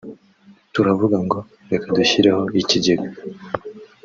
turavuga ngo reka dushyireho ikigega